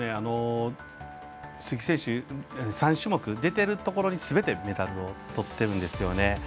鈴木選手、３種目出てるところに、すべてメダルをとってるんですよね。